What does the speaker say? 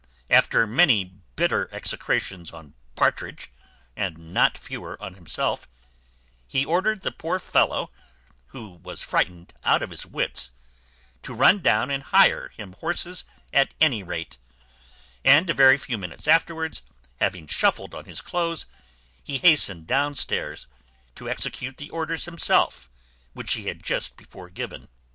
After many bitter execrations on Partridge, and not fewer on himself, he ordered the poor fellow, who was frightened out of his wits, to run down and hire him horses at any rate; and a very few minutes afterwards, having shuffled on his clothes, he hastened down stairs to execute the orders himself, which he had just before given.